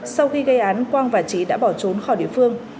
sau khi gây án quang và trí đã bỏ trốn khỏi địa phương